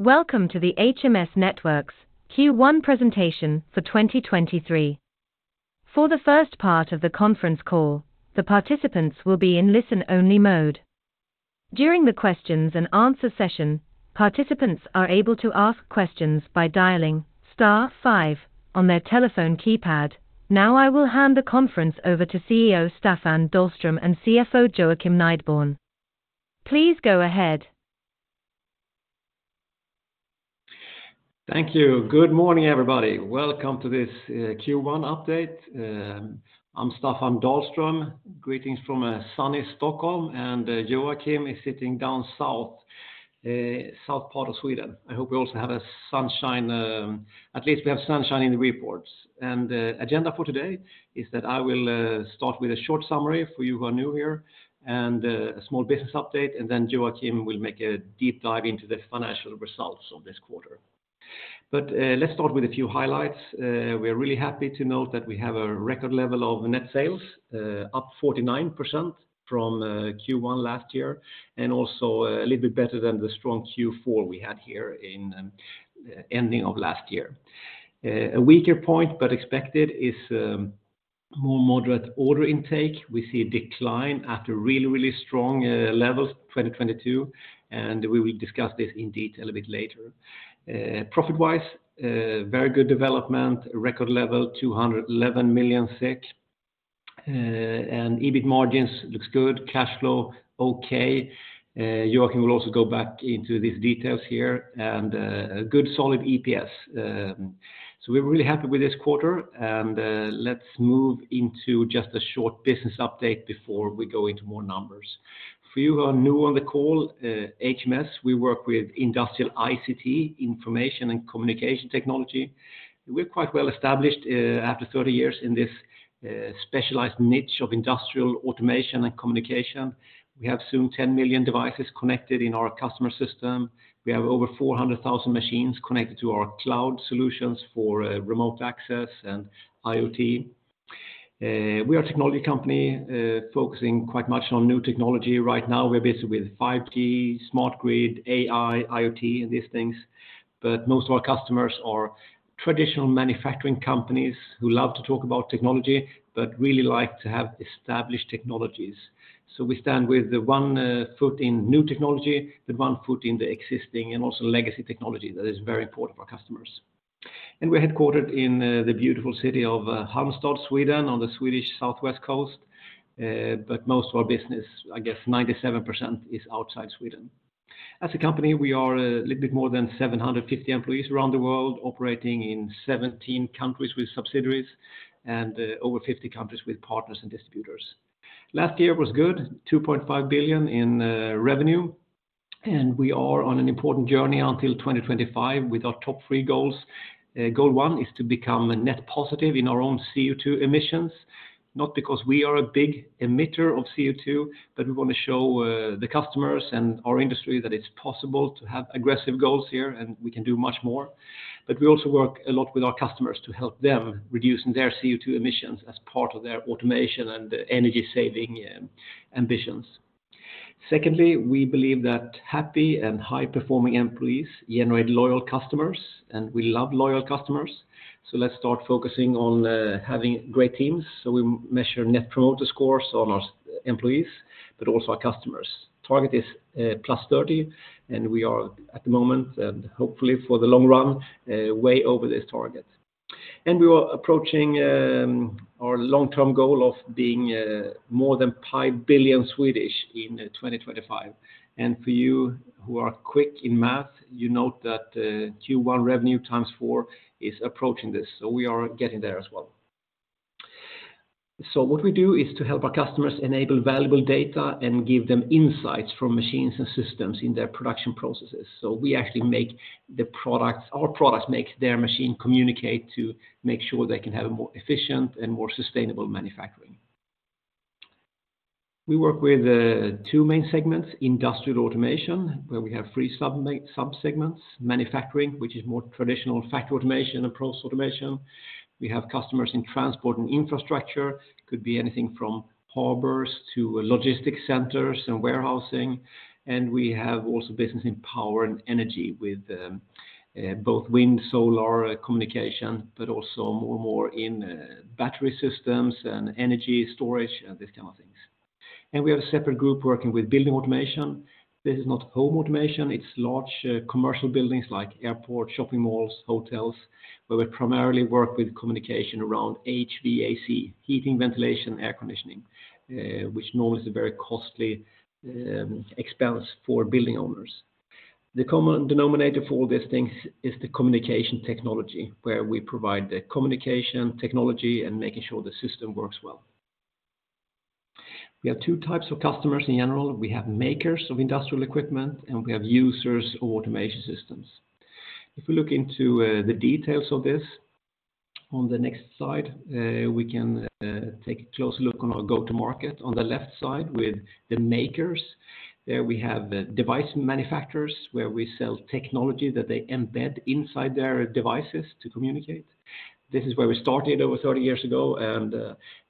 Welcome to the HMS Networks' Q1 presentation for 2023. For the first part of the conference call, the participants will be in listen only mode. During the questions and answer session, participants are able to ask questions by dialing star five on their telephone keypad. I will hand the conference over to CEO Staffan Dahlström and CFO Joakim Nideborn. Please go ahead. Thank you. Good morning, everybody. Welcome to this Q1 update. I'm Staffan Dahlström. Greetings from sunny Stockholm, and Joakim Nideborn is sitting down south part of Sweden. I hope you also have a sunshine. At least we have sunshine in the reports. The agenda for today is that I will start with a short summary for you who are new here and a small business update, and then Joakim Nideborn will make a deep dive into the financial results of this quarter. Let's start with a few highlights. We're really happy to note that we have a record level of net sales, up 49% from Q1 last year, and also a little bit better than the strong Q4 we had here in ending of last year. A weaker point, expected is more moderate order intake. We see a decline after really, really strong levels 2022. We will discuss this in detail a bit later. Profit-wise, very good development, record level 211 million. EBIT margins looks good. Cash flow, okay. Joakim will also go back into these details here. A good solid EPS. We're really happy with this quarter. Let's move into just a short business update before we go into more numbers. For you who are new on the call, HMS, we work with industrial ICT, information and communication technology. We're quite well established after 30 years in this specialized niche of industrial automation and communication. We have soon 10 million devices connected in our customer system. We have over 400,000 machines connected to our cloud solutions for remote access and IoT. We are a technology company, focusing quite much on new technology. Right now, we're busy with 5G, smart grid, AI, IoT, and these things. Most of our customers are traditional manufacturing companies who love to talk about technology but really like to have established technologies. We stand with one foot in new technology, with one foot in the existing and also legacy technology that is very important for our customers. We're headquartered in the beautiful city of Halmstad, Sweden, on the Swedish southwest coast. Most of our business, I guess 97%, is outside Sweden. As a company, we are a little bit more than 750 employees around the world, operating in 17 countries with subsidiaries and over 50 countries with partners and distributors. Last year was good, 2.5 billion in revenue, and we are on an important journey until 2025 with our top three goals. Goal 1 is to become net positive in our own CO2 emissions, not because we are a big emitter of CO2, but we wanna show the customers and our industry that it's possible to have aggressive goals here, and we can do much more. We also work a lot with our customers to help them reducing their CO2 emissions as part of their automation and energy-saving ambitions. Secondly, we believe that happy and high-performing employees generate loyal customers, and we love loyal customers. Let's start focusing on having great teams. We measure Net Promoter Scores on our employees, but also our customers. Target is +30, and we are at the moment, and hopefully for the long run, way over this target. We are approaching our long-term goal of being more than 5 billion in 2025. For you who are quick in math, you note that Q1 revenue times four is approaching this. We are getting there as well. What we do is to help our customers enable valuable data and give them insights from machines and systems in their production processes. We actually make the products. Our products make their machine communicate to make sure they can have a more efficient and more sustainable manufacturing. We work with two main segments, industrial automation, where we have three sub-subsegments, manufacturing, which is more traditional factory automation and process automation. We have customers in transport and infrastructure. Could be anything from harbors to logistics centers and warehousing. We have also business in power and energy with both wind, solar communication, but also more and more in battery systems and energy storage and this kind of things. We have a separate group working with building automation. This is not home automation. It's large commercial buildings like airports, shopping malls, hotels, where we primarily work with communication around HVAC, heating, ventilation, air conditioning, which normally is a very costly expense for building owners. The common denominator for all these things is the communication technology, where we provide the communication technology and making sure the system works well. We have two types of customers in general. We have makers of industrial equipment, and we have users of automation systems. If we look into the details of this on the next slide, we can take a closer look on our go-to-market. On the left side with the makers, there we have device manufacturers, where we sell technology that they embed inside their devices to communicate. This is where we started over 30 years ago, and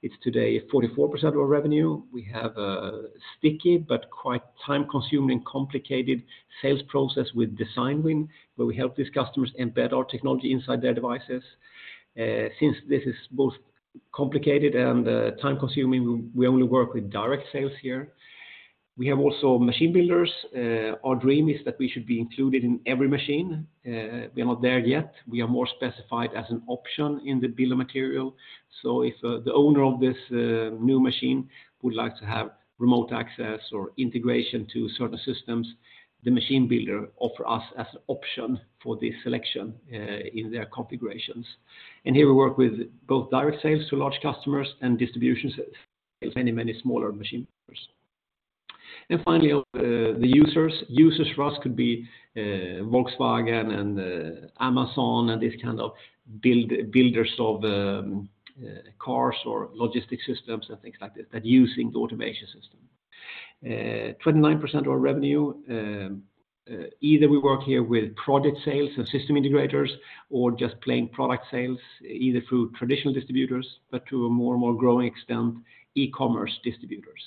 it's today 44% of our revenue. We have a sticky but quite time-consuming, complicated sales process with design win, where we help these customers embed our technology inside their devices. Since this is both complicated and time-consuming, we only work with direct sales here. We have also machine builders. Our dream is that we should be included in every machine. We are not there yet. We are more specified as an option in the bill of materials. If the owner of this new machine would like to have remote access or integration to certain systems, the machine builder offer us as an option for the selection in their configurations. Here we work with both direct sales to large customers and distributions of many smaller machine builders. Finally, the users. Users for us could be Volkswagen and Amazon and these kind of builders of cars or logistic systems and things like this that using the automation system. 29% of our revenue, either we work here with project sales and system integrators or just plain product sales, either through traditional distributors, but to a more and more growing extent, e-commerce distributors.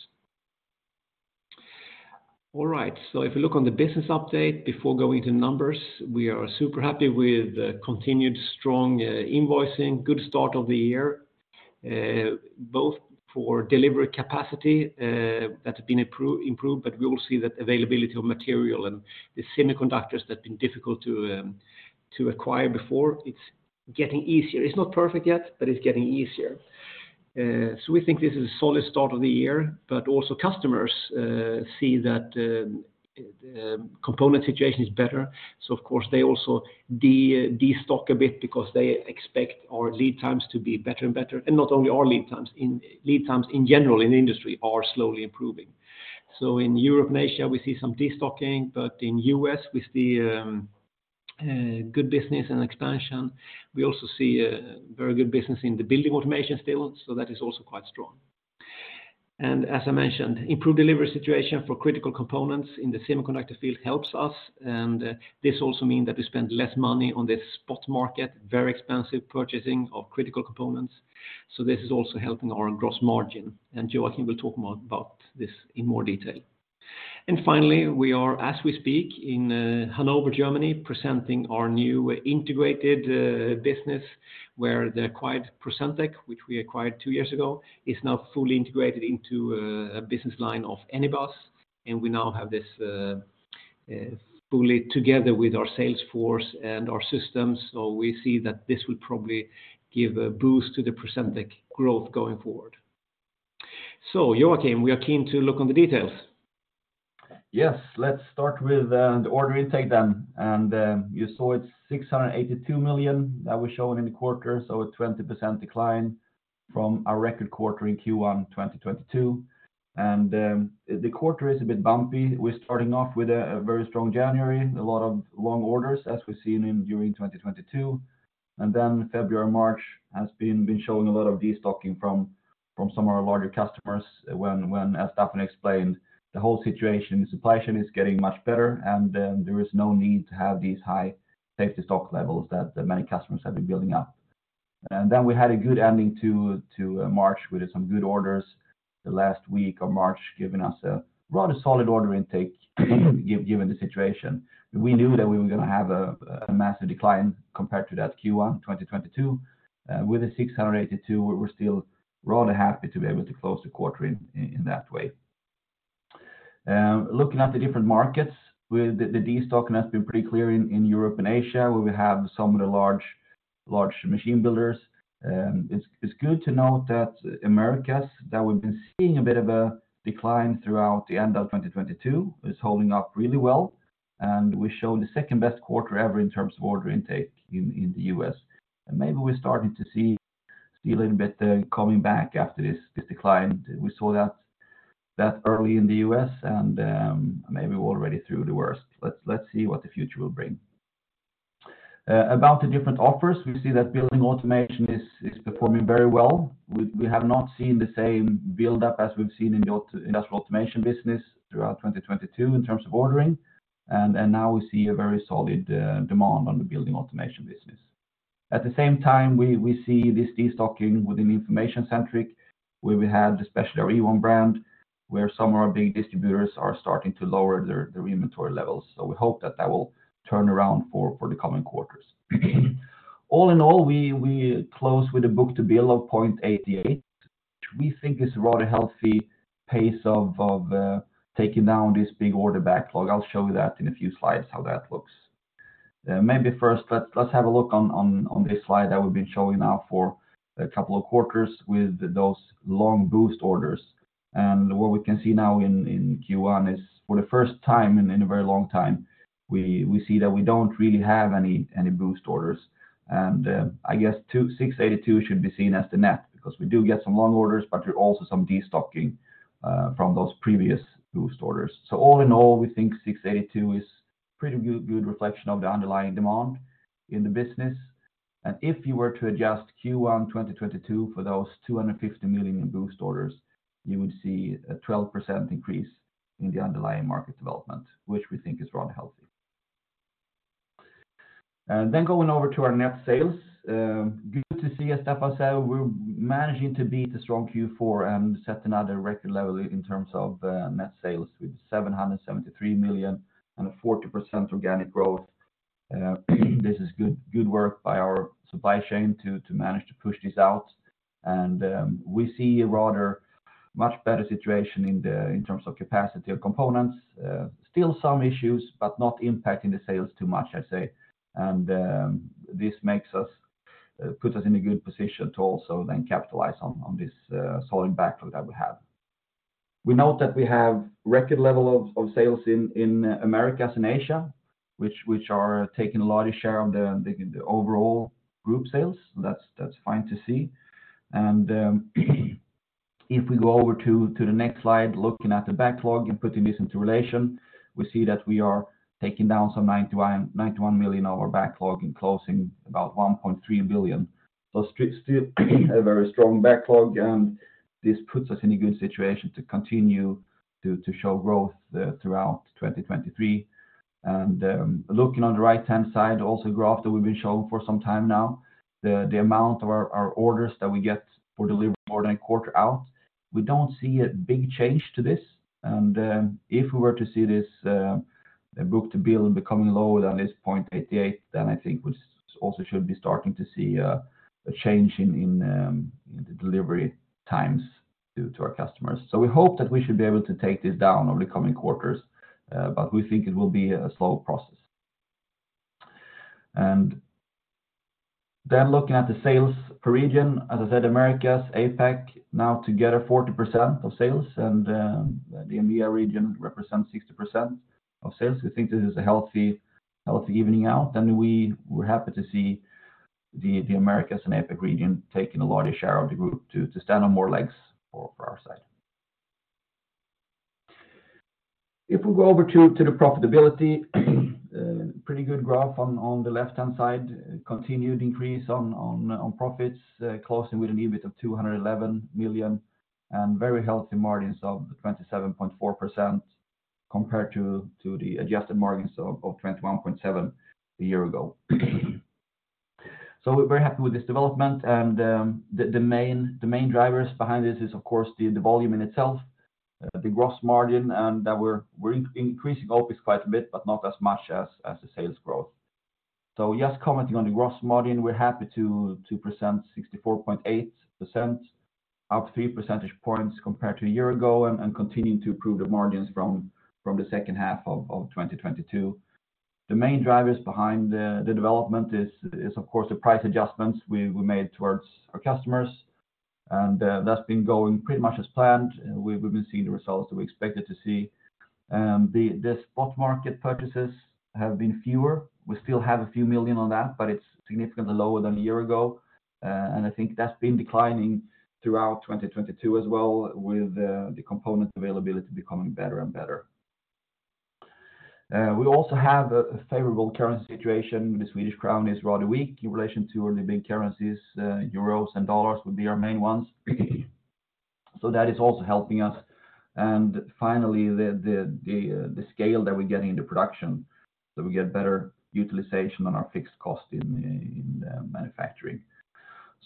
If you look on the business update before going to numbers, we are super happy with continued strong invoicing, good start of the year, both for delivery capacity that have been improved, but we will see that availability of material and the semiconductors that have been difficult to acquire before, it's getting easier. It's not perfect yet, but it's getting easier. We think this is a solid start of the year, but also customers see that component situation is better. Of course, they also de-destock a bit because they expect our lead times to be better and better. Not only our lead times, in lead times in general in the industry are slowly improving. In Europe and Asia, we see some destocking, but in U.S. we see good business and expansion. We also see a very good business in the building automation field. That is also quite strong. As I mentioned, improved delivery situation for critical components in the semiconductor field helps us. This also mean that we spend less money on this spot market, very expensive purchasing of critical components. This is also helping our own gross margin. Joakim will talk more about this in more detail. Finally, we are, as we speak, in Hanover, Germany, presenting our new integrated business where the acquired Procentec, which we acquired two years ago, is now fully integrated into a business line of Anybus, and we now have this fully together with our sales force and our systems. We see that this will probably give a boost to the Procentec growth going forward. Joakim, we are keen to look on the details. Yes. Let's start with the order intake then. You saw it's 682 million that was shown in the quarter, a 20% decline from our record quarter in Q1 2022. The quarter is a bit bumpy. We're starting off with a very strong January, a lot of long orders, as we've seen during 2022. February, March has been showing a lot of destocking from some of our larger customers when, as Staffan explained, the whole situation in supply chain is getting much better, and then there is no need to have these high safety stock levels that many customers have been building up. We had a good ending to March with some good orders the last week of March, giving us a rather solid order intake given the situation. We knew that we were gonna have a massive decline compared to that Q1 2022. With the 682, we're still rather happy to be able to close the quarter in that way. Looking at the different markets with the destocking has been pretty clear in Europe and Asia, where we have some of the large machine builders. It's good to note that Americas, that we've been seeing a bit of a decline throughout the end of 2022, is holding up really well. We show the second-best quarter ever in terms of order intake in the U.S. Maybe we're starting to see a little bit coming back after this decline. We saw that early in the U.S. and maybe we're already through the worst. Let's see what the future will bring. about the different offers, we see that building automation is performing very well. We have not seen the same build-up as we've seen in the industrial automation business throughout 2022 in terms of ordering. Now we see a very solid demand on the building automation business. At the same time, we see this destocking within Information Centric, where we have the specialist Ewon brand, where some of our big distributors are starting to lower their inventory levels. We hope that that will turn around for the coming quarters. All in all, we close with a book-to-bill of 0.88, which we think is a rather healthy pace of taking down this big order backlog. I'll show you that in a few slides how that looks. Maybe first, let's have a look on this slide that we've been showing now for a couple of quarters with those long boost orders. What we can see now in Q1 is for the first time in a very long time, we see that we don't really have any boost orders. I guess 682 should be seen as the net because we do get some long orders, but there are also some destocking from those previous boost orders. All in all, we think 682 is pretty good reflection of the underlying demand in the business. If you were to adjust Q1 2022 for those 250 million in boost orders, you would see a 12% increase in the underlying market development, which we think is rather healthy. Going over to our net sales, good to see as Staffan said, we're managing to beat a strong Q4 and set another record level in terms of net sales with 773 million and a 40% organic growth. This is good work by our supply chain to manage to push this out. We see a rather much better situation in terms of capacity of components, still some issues, but not impacting the sales too much, I say. This puts us in a good position to also then capitalize on this solid backlog that we have. We note that we have record level of sales in Americas and Asia, which are taking a lot of share of the overall group sales. That's fine to see. If we go over to the next slide, looking at the backlog and putting this into relation, we see that we are taking down some 91 million of our backlog and closing about 1.3 billion. Still a very strong backlog, and this puts us in a good situation to continue to show growth throughout 2023. Looking on the right-hand side, also a graph that we've been showing for some time now, the amount of our orders that we get for delivery more than a quarter out, we don't see a big change to this. If we were to see this book-to-bill becoming lower than this 0.88, then I think we also should be starting to see a change in the delivery times to our customers. We hope that we should be able to take this down over the coming quarters, but we think it will be a slow process. Looking at the sales per region, as I said, Americas, APAC, now together 40% of sales, and the EMEIA region represents 60% of sales. We think this is a healthy evening out. We were happy to see the Americas and APAC region taking a larger share of the group to stand on more legs for our side. If we go over to the profitability, a pretty good graph on the left-hand side, continued increase on profits, closing with an EBIT of 211 million and very healthy margins of 27.4% compared to the adjusted margins of 21.7% a year ago. We're very happy with this development. The main drivers behind this is, of course, the volume in itself, the gross margin, and that we're increasing OpEx quite a bit, but not as much as the sales growth. Just commenting on the gross margin, we're happy to present 64.8%, up 3 percentage points compared to a year ago and continuing to improve the margins from the second half of 2022. The main drivers behind the development is of course the price adjustments we made towards our customers. That's been going pretty much as planned. We've been seeing the results that we expected to see. The spot market purchases have been fewer. We still have a few million on that, but it's significantly lower than a year ago. I think that's been declining throughout 2022 as well with the component availability becoming better and better. We also have a favorable currency situation. The Swedish crown is rather weak in relation to only big currencies. Euros and dollars would be our main ones. That is also helping us. Finally, the scale that we're getting into production, so we get better utilization on our fixed cost in manufacturing.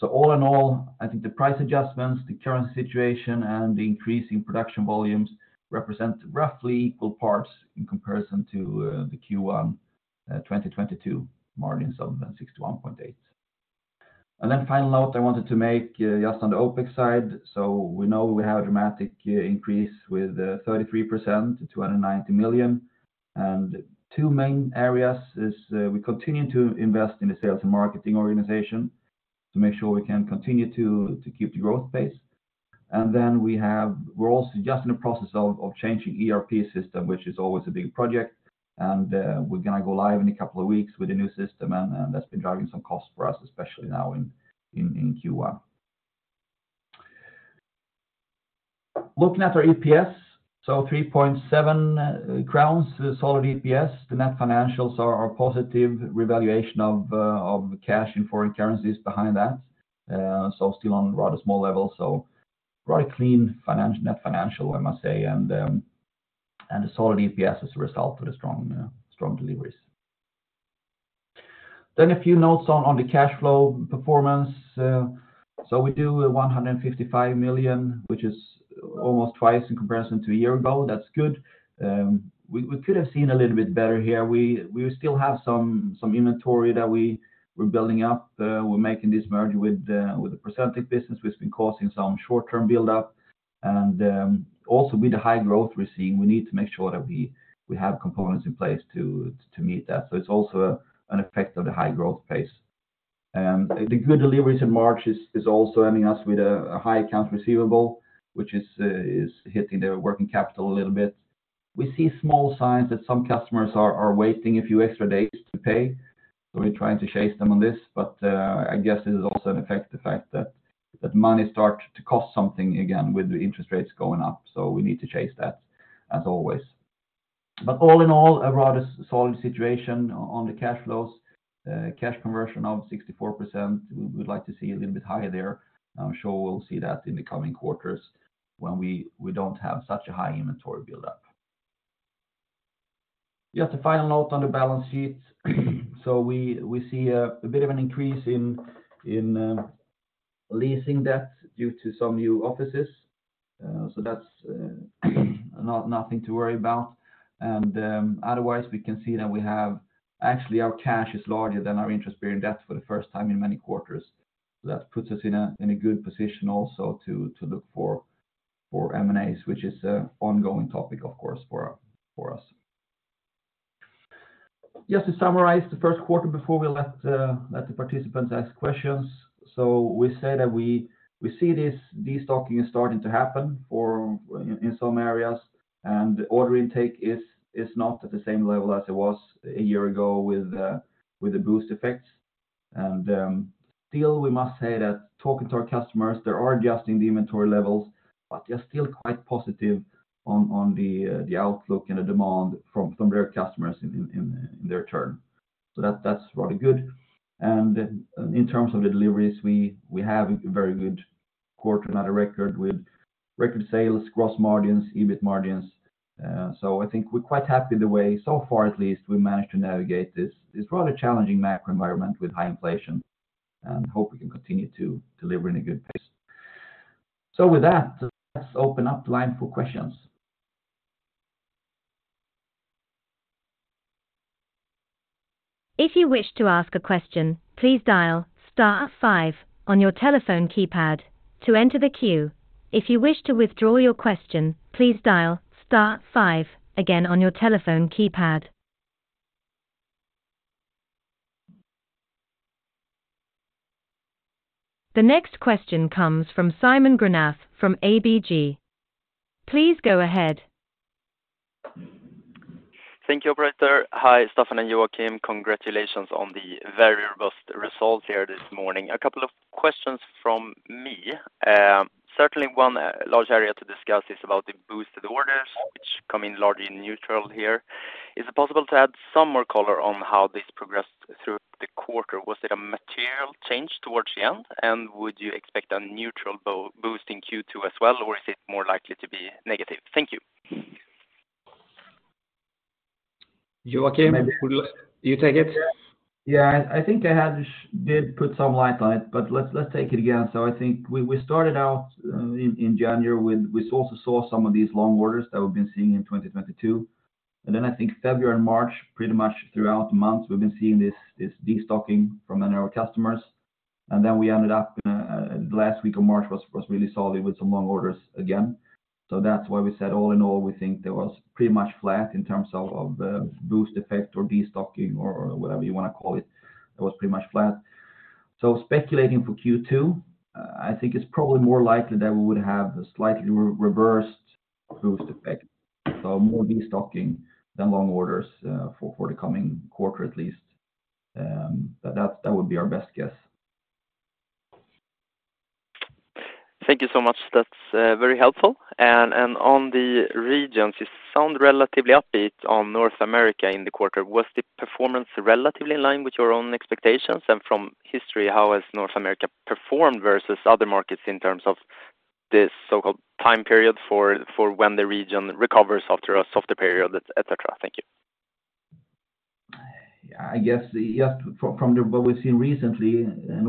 All in all, I think the price adjustments, the currency situation, and the increase in production volumes represent roughly equal parts in comparison to the Q1 2022 margins of 61.8. Final note I wanted to make just on the OpEx side. We know we have a dramatic increase with 33% to 290 million. Two main areas is, we continue to invest in the sales and marketing organization to make sure we can continue to keep the growth pace. We're also just in the process of changing ERP system, which is always a big project. We're gonna go live in a couple of weeks with a new system, and that's been driving some costs for us, especially now in Q1. Looking at our EPS, 3.7 crowns, the solid EPS. The net financials are a positive revaluation of cash in foreign currencies behind that. Still on a rather small level. Rather clean financial, net financial, I must say. And a solid EPS as a result of the strong deliveries. A few notes on the cash flow performance. We do 155 million, which is almost twice in comparison to a year ago. That's good. We could have seen a little bit better here. We still have some inventory that we're building up. We're making this merge with the Procentec business, which has been causing some short-term buildup. Also with the high growth we're seeing, we need to make sure that we have components in place to meet that. It's also an effect of the high growth pace. The good deliveries in March is also ending us with a high account receivable, which is hitting the working capital a little bit. We see small signs that some customers are waiting a few extra days to pay, so we're trying to chase them on this. I guess this is also an effect, the fact that money starts to cost something again with the interest rates going up, so we need to chase that as always. All in all, a rather solid situation on the cash flows. Cash conversion of 64%. We would like to see a little bit higher there. I'm sure we'll see that in the coming quarters when we don't have such a high inventory buildup. Just a final note on the balance sheet. We see a bit of an increase in leasing debt due to some new offices. That's nothing to worry about. Otherwise we can see that we have. Actually, our cash is larger than our interest-bearing debt for the first time in many quarters. That puts us in a good position also to look for M&As, which is an ongoing topic of course for us. Just to summarize the 1st quarter before we let the participants ask questions. We said that we see this destocking is starting to happen in some areas, and order intake is not at the same level as it was a year ago with the boost effects. Still, we must say that talking to our customers, they are adjusting the inventory levels, but they're still quite positive on the outlook and the demand from some of their customers in their turn. That's rather good. In terms of the deliveries, we have a very good quarter, another record with record sales, gross margins, EBIT margins. I think we're quite happy the way, so far at least, we managed to navigate this rather challenging macro environment with high inflation, and hope we can continue to deliver in a good pace. With that, let's open up the line for questions. If you wish to ask a question, please dial star five on your telephone keypad to enter the queue. If you wish to withdraw your question, please dial star five again on your telephone keypad. The next question comes from Simon Granath from ABG. Please go ahead. Thank you, operator. Hi, Staffan and Joakim. Congratulations on the very robust results here this morning. A couple of questions from me. Certainly one large area to discuss is about the boosted orders which come in largely neutral here. Is it possible to add some more color on how this progressed through the quarter? Was it a material change towards the end? Would you expect a neutral boost in Q2 as well, or is it more likely to be negative? Thank you Joakim, would you like? You take it? Yeah. I think I had put some light on it, but let's take it again. I think we started out in January with we also saw some of these long orders that we've been seeing in 2022. I think February and March, pretty much throughout the months, we've been seeing this destocking from many of our customers. We ended up the last week of March was really solid with some long orders again. That's why we said all in all, we think there was pretty much flat in terms of the boost effect or destocking or whatever you want to call it. It was pretty much flat. Speculating for Q2, I think it's probably more likely that we would have a slightly re-reversed boost effect. More destocking than long orders, for the coming quarter at least. That would be our best guess. Thank you so much. That's very helpful. On the regions, you sound relatively upbeat on North America in the quarter. Was the performance relatively in line with your own expectations? From history, how has North America performed versus other markets in terms of this so-called time period for when the region recovers after a softer period, et cetera? Thank you. I guess, yes, from the what we've seen recently,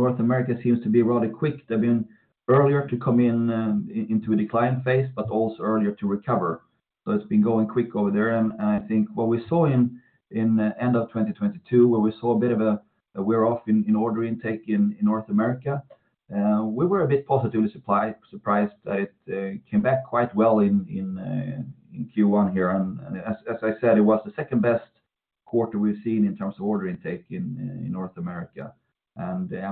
North America seems to be rather quick. They've been earlier to come into a decline phase, but also earlier to recover. So it's been going quick over there. I think what we saw in end of 2022, where we saw a bit of a wear-off in order intake in North America, we were a bit positively surprised that it came back quite well in Q1 here. As, as I said, it was the second-best quarter we've seen in terms of order intake in North America.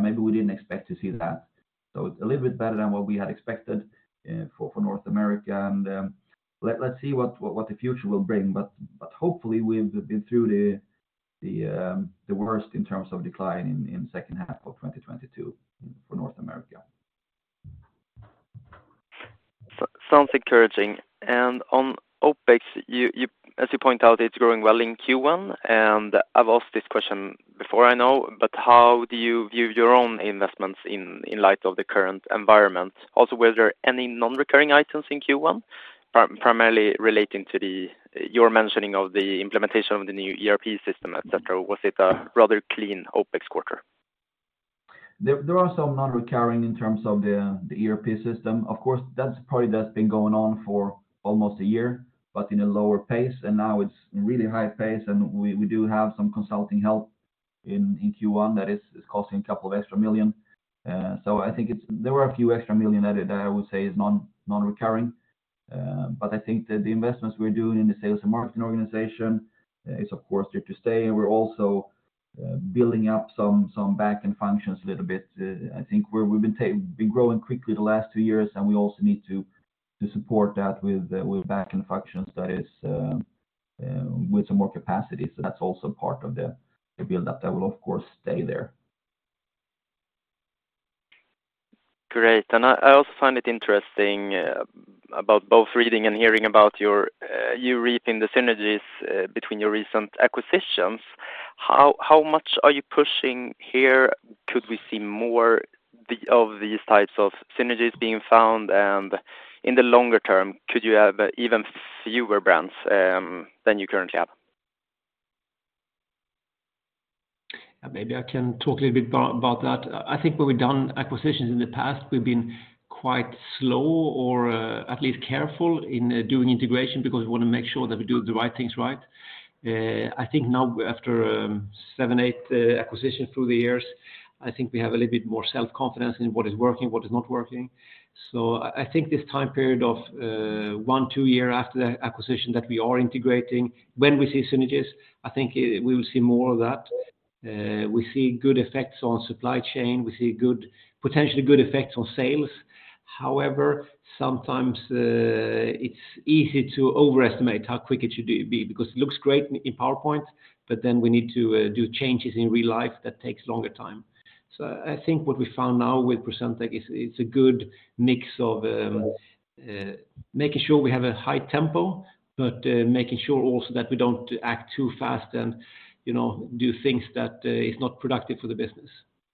Maybe we didn't expect to see that. It's a little bit better than what we had expected for North America. Let's see what the future will bring. Hopefully, we've been through the worst in terms of decline in second half of 2022 for North America. Sounds encouraging. On OpEx, you as you point out, it's growing well in Q1. I've asked this question before, I know, but how do you view your own investments in light of the current environment? Were there any non-recurring items in Q1, primarily relating to the, your mentioning of the implementation of the new ERP system, et cetera? Was it a rather clean OpEx quarter? There are some non-recurring in terms of the ERP system. That's probably been going on for almost a year, but in a lower pace, and now it's really high pace, and we do have some consulting help in Q1 that is costing a couple of extra million. I think there were a few extra million that I would say is non-recurring. I think that the investments we're doing in the sales and marketing organization is of course here to stay. We're also building up some backend functions a little bit. I think we've been growing quickly the last two years, and we also need to support that with backend functions that is with some more capacity. That's also part of the build-up that will of course stay there. Great. I also find it interesting about both reading and hearing about your, you reaping the synergies, between your recent acquisitions. How much are you pushing here? Could we see more of these types of synergies being found? In the longer term, could you have even fewer brands than you currently have? Maybe I can talk a little bit about that. I think when we've done acquisitions in the past, we've been quite slow or at least careful in doing integration because we want to make sure that we do the right things right. I think now after seven, eight acquisitions through the years, I think we have a little bit more self-confidence in what is working, what is not working. I think this time period of one, two year after the acquisition that we are integrating, when we see synergies, I think we will see more of that. We see good effects on supply chain, we see potentially good effects on sales. However, sometimes, it's easy to overestimate how quick it should be, because it looks great in PowerPoint, then we need to do changes in real life that takes longer time. I think what we found now with Procentec is it's a good mix of making sure we have a high tempo, making sure also that we don't act too fast and, you know, do things that is not productive for the business.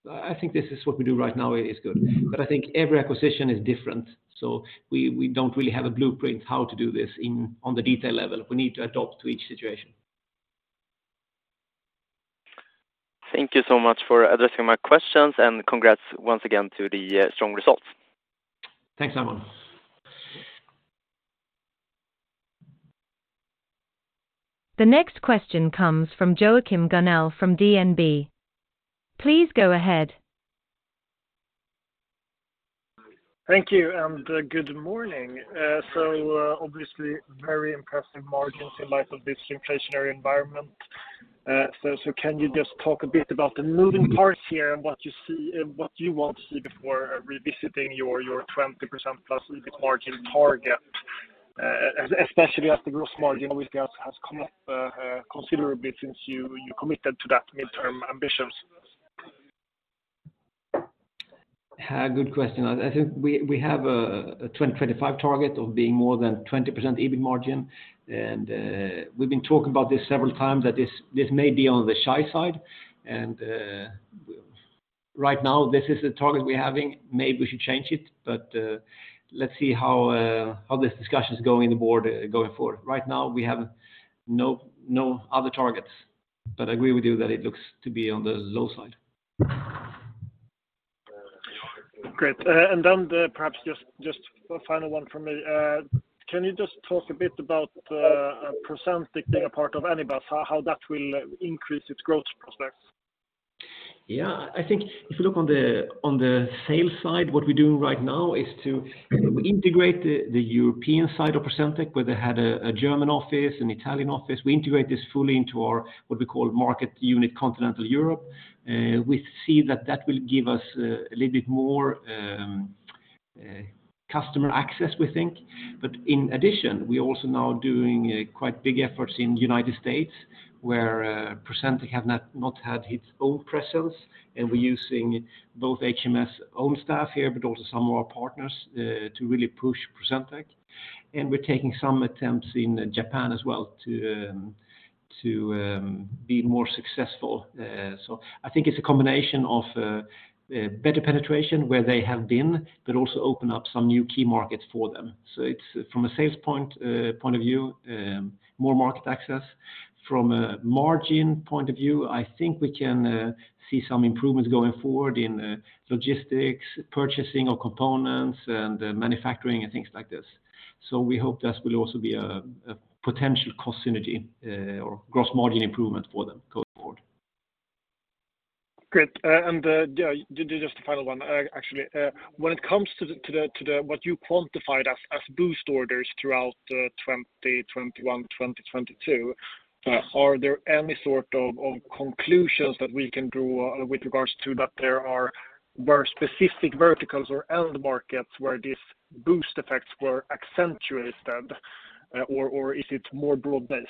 I think this is what we do right now is good. I think every acquisition is different. We don't really have a blueprint how to do this on the detail level. We need to adopt to each situation. Thank you so much for addressing my questions. Congrats once again to the strong results. Thanks, Simon. The next question comes from Joachim Gunell from DNB. Please go ahead. Thank you, and good morning. Obviously, very impressive margins in light of this inflationary environment. Can you just talk a bit about the moving parts here and what you want to see before revisiting your 20% plus EBIT margin target, especially as the gross margin always has come up considerably since you committed to that midterm ambitions? Good question. I think we have a 2025 target of being more than 20% EBIT margin. We've been talking about this several times, that this may be on the shy side. Right now, this is the target we're having. Maybe we should change it, but let's see how this discussion is going, the board going forward. Right now, we have no other targets, but I agree with you that it looks to be on the low side. Great. Perhaps just a final one for me. Can you just talk a bit about Procentec being a part of Anybus, how that will increase its growth prospects? Yeah. I think if you look on the sales side, what we're doing right now is to integrate the European side of Procentec, where they had a German office, an Italian office. We integrate this fully into our, what we call market unit Continental Europe. We see that that will give us a little bit more customer access, we think. In addition, we're also now doing quite big efforts in United States, where Procentec have not had its own presence. We're using both HMS own staff here, but also some of our partners to really push Procentec. We're taking some attempts in Japan as well to be more successful. I think it's a combination of better penetration where they have been, but also open up some new key markets for them. It's from a sales point of view, more market access. From a margin point of view, I think we can see some improvements going forward in logistics, purchasing of components and manufacturing and things like this. We hope that will also be a potential cost synergy or gross margin improvement for them going forward. Just a final one, actually. When it comes to what you quantified as boost orders throughout 2021, 2022, are there any sort of conclusions that we can draw with regards to that there are very specific verticals or end markets where this boost effects were accentuated, or is it more broad-based?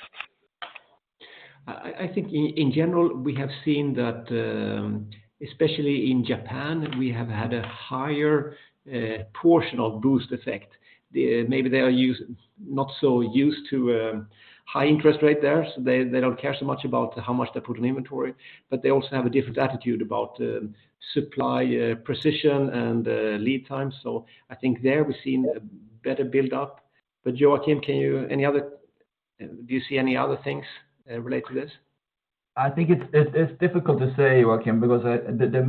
I think in general, we have seen that, especially in Japan, we have had a higher portion of boost effect. Maybe they are used not so used to high interest rate there, so they don't care so much about how much they put in inventory, but they also have a different attitude about supply precision and lead time. I think there we've seen a better build-up. Joakim, can you Any other. Do you see any other things related to this? I think it's difficult to say, Joakim, because the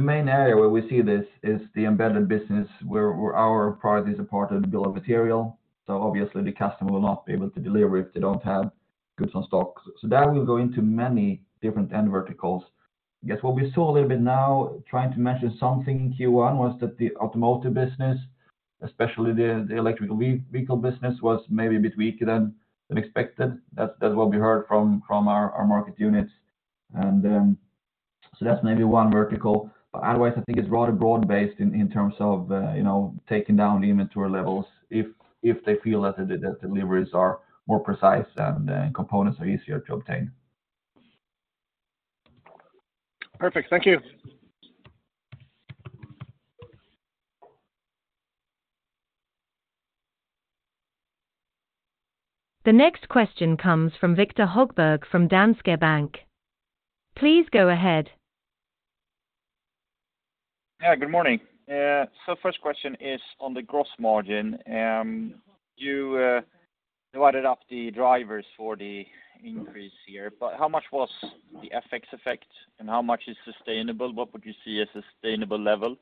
main area where we see this is the embedded business where our product is a part of the bill of materials. Obviously the customer will not be able to deliver if they don't have goods on stock. That will go into many different end verticals. I guess what we saw a little bit now, trying to mention something in Q1, was that the automotive business, especially the electrical vehicle business, was maybe a bit weaker than expected. That's what we heard from our market units. That's maybe one vertical. Otherwise, I think it's rather broad-based in terms of, you know, taking down the inventory levels if they feel that the deliveries are more precise and components are easier to obtain. Perfect. Thank you. The next question comes from Viktor Högberg from Danske Bank. Please go ahead. Yeah, good morning. First question is on the gross margin. You divided up the drivers for the increase here, but how much was the FX effect and how much is sustainable? What would you see a sustainable level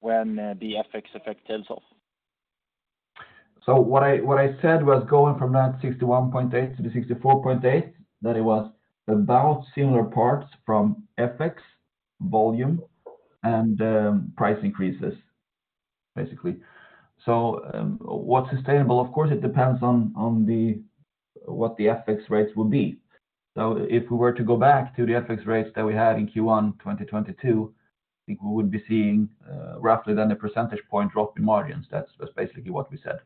when the FX effect tails off? What I said was going from that 61.8 to the 64.8, that it was about similar parts from FX volume and price increases, basically. What's sustainable? Of course, it depends on the, what the FX rates will be. If we were to go back to the FX rates that we had in Q1 2022, I think we would be seeing, roughly then a percentage point drop in margins. That's basically what we said.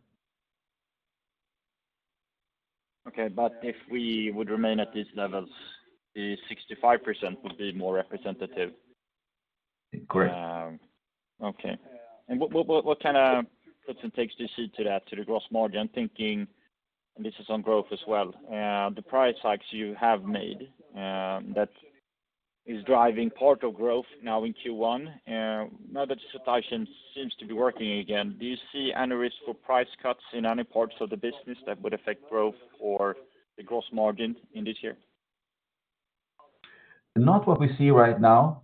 Okay. If we would remain at these levels, the 65% would be more representative. Correct. Okay. What kind of gives and takes do you see to that, to the gross margin? I'm thinking, and this is on growth as well. The price hikes you have made, that is driving part of growth now in Q1. Now that the situation seems to be working again, do you see any risk for price cuts in any parts of the business that would affect growth or the gross margin in this year? Not what we see right now.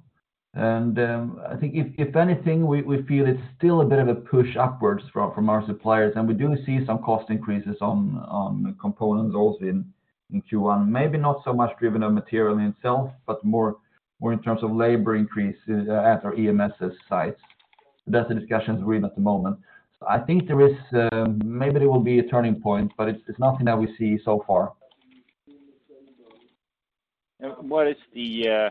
I think if anything, we feel it's still a bit of a push upwards from our suppliers, and we do see some cost increases on components also in Q1. Maybe not so much driven on material itself, but more in terms of labor increase at our EMS sites. That's the discussions we're in at the moment. I think there is maybe there will be a turning point, but it's nothing that we see so far. What is the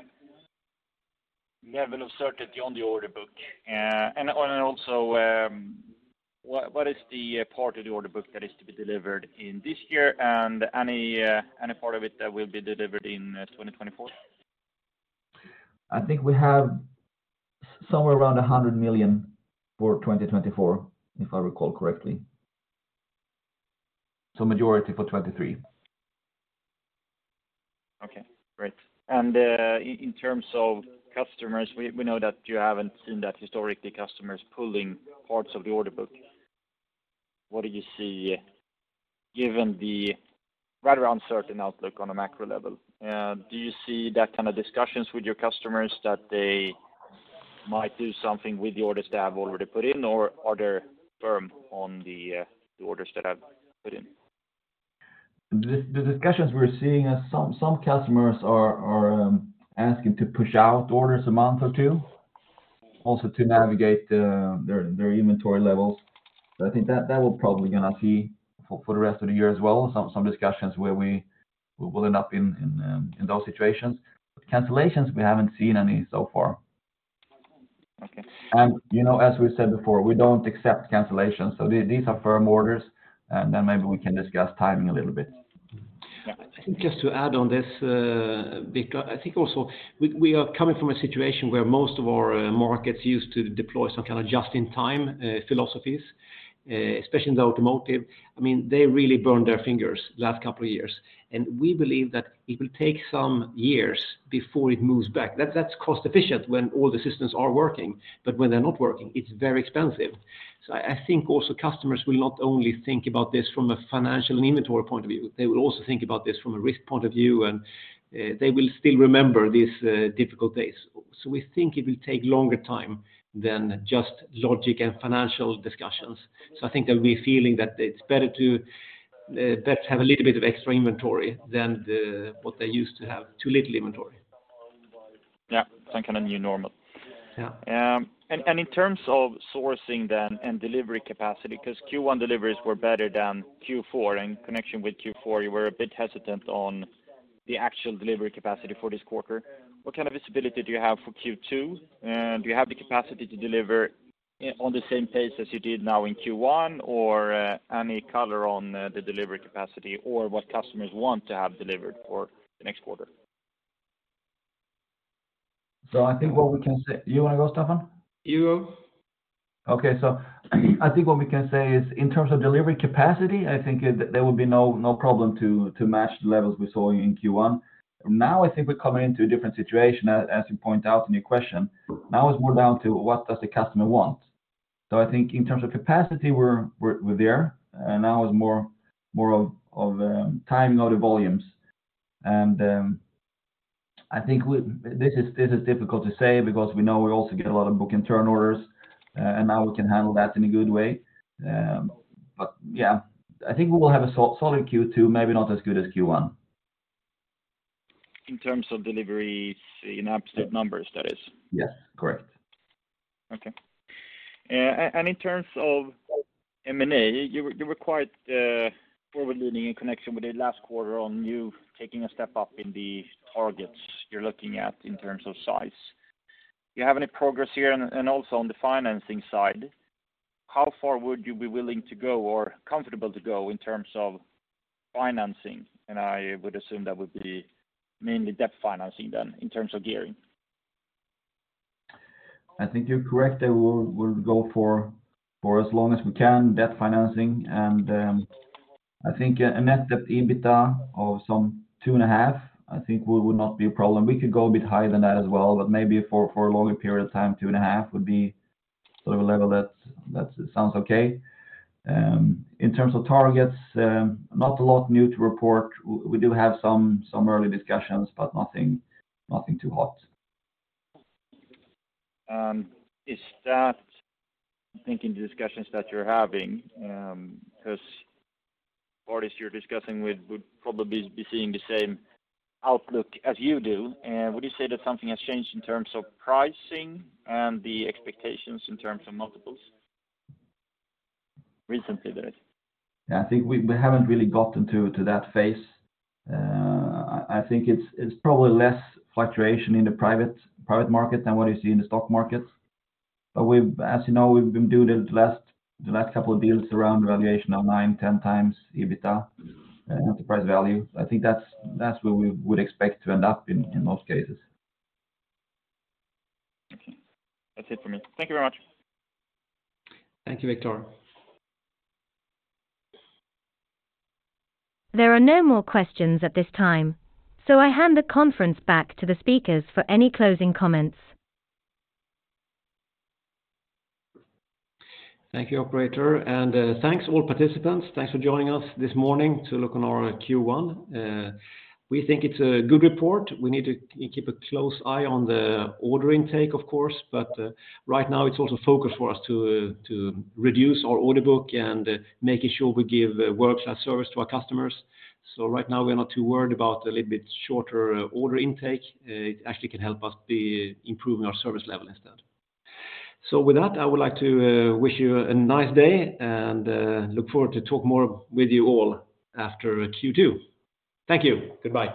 level of certainty on the order book? Also, what is the part of the order book that is to be delivered in this year and any part of it that will be delivered in 2024? I think we have somewhere around 100 million for 2024, if I recall correctly. Majority for 2023. Okay, great. In terms of customers, we know that you haven't seen that historically, customers pulling parts of the order book. What do you see given the rather uncertain outlook on a macro level? Do you see that kind of discussions with your customers that they might do something with the orders they have already put in or are there firm on the orders that I've put in? The discussions we're seeing are some customers are asking to push out orders a month or two also to navigate their inventory levels. I think that we're probably going to see for the rest of the year as well, some discussions where we will end up in those situations. Cancellations, we haven't seen any so far. Okay. You know, as we said before, we don't accept cancellations. These are firm orders, and then maybe we can discuss timing a little bit. I think just to add on this, Viktor, I think also we are coming from a situation where most of our markets used to deploy some kind of just-in-time philosophies, especially in the automotive. I mean, they really burned their fingers last couple of years. We believe that it will take some years before it moves back. That's cost efficient when all the systems are working, but when they're not working, it's very expensive. I think also customers will not only think about this from a financial and inventory point of view, they will also think about this from a risk point of view. They will still remember these difficult days. We think it will take longer time than just logic and financial discussions. I think there'll be a feeling that it's better to, better have a little bit of extra inventory than the, what they used to have, too little inventory. Yeah. Some kind of new normal. Yeah. In terms of sourcing then and delivery capacity, 'cause Q1 deliveries were better than Q4, in connection with Q4, you were a bit hesitant on the actual delivery capacity for this quarter. What kind of visibility do you have for Q2? Do you have the capacity to deliver on the same pace as you did now in Q1 or any color on the delivery capacity or what customers want to have delivered for the next quarter? I think what we can say... You want to go, Staffan? You. Okay. I think what we can say is in terms of delivery capacity, I think there will be no problem to match the levels we saw in Q1. Now, I think we're coming into a different situation as you point out in your question. Now it's more down to what does the customer want. I think in terms of capacity, we're there. Now it's more of timing of the volumes. I think this is difficult to say because we know we also get a lot of book and turn orders, and now we can handle that in a good way. Yeah, I think we will have a so-solid Q2, maybe not as good as Q1. In terms of deliveries in absolute numbers, that is? Yes, correct. Okay. And in terms of M&A, you were quite forward-leaning in connection with the last quarter on you taking a step up in the targets you're looking at in terms of size. Do you have any progress here? Also on the financing side, how far would you be willing to go or comfortable to go in terms of financing? I would assume that would be mainly debt financing then in terms of gearing. I think you're correct that we'll go for as long as we can, debt financing. I think a net debt EBITDA of some 2.5, I think would not be a problem. We could go a bit higher than that as well, but maybe for a longer period of time, 2.5 would be sort of a level that's sounds okay. In terms of targets, not a lot new to report. We do have some early discussions, but nothing too hot. Is that thinking the discussions that you're having? 'Cause parties you're discussing with would probably be seeing the same outlook as you do. Would you say that something has changed in terms of pricing and the expectations in terms of multiples recently there is? I think we haven't really gotten to that phase. I think it's probably less fluctuation in the private market than what you see in the stock market. As you know, we've been doing the last couple of deals around valuation of 9-10x EBITDA, enterprise value. I think that's where we would expect to end up in most cases. Okay. That's it for me. Thank you very much. Thank you, Viktor. There are no more questions at this time. I hand the conference back to the speakers for any closing comments. Thank you, operator. Thanks all participants. Thanks for joining us this morning to look on our Q1. We think it's a good report. We need to keep a close eye on the order intake, of course, but right now it's also focus for us to reduce our order book and making sure we give world-class service to our customers. Right now, we're not too worried about a little bit shorter order intake. It actually can help us be improving our service level instead. With that, I would like to wish you a nice day and look forward to talk more with you all after Q2. Thank you. Goodbye.